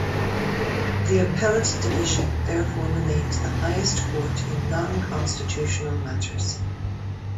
The Appellate Division therefore remained the highest court in non-constitutional matters.